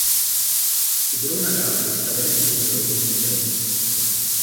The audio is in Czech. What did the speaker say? Ty budou nadále vystaveny v muzeu v Ondřejově.